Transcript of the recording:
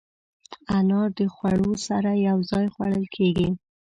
انار د خوړو سره یو ځای خوړل کېږي.